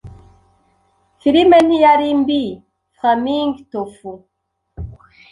Filime ntiyari mbiFlamingTofu